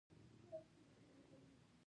زړه د بدن د دوران سیسټم مرکز دی.